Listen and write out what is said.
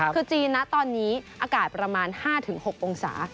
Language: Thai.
คือจีนนะตอนนี้อากาศประมาณ๕๖องศา